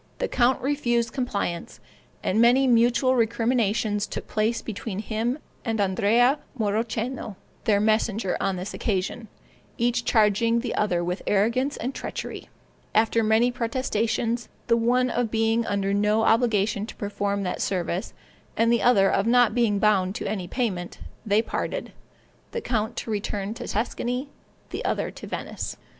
The count refused compliance, and many mutual recriminations took place between him and Andrea Mauroceno, their messenger on this occasion, each charging the other with arrogance and treachery: after many protestations, the one of being under no obligation to perform that service, and the other of not being bound to any payment, they parted, the count to return to Tuscany, the other to Venice.